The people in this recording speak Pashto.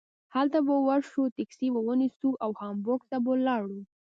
هلته به ور شو ټکسي به ونیسو او هامبورګ ته به لاړو.